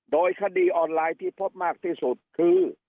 โดยคดีออนไลน์ที่พบมากที่สุดคือ